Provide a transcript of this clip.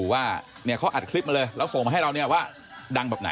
สามสี่ห้าหกเกิดละแปดอีกละนิดสองห้า